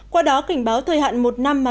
qua đó cảnh báo thời hạn một năm mà